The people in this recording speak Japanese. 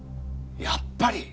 やっぱり！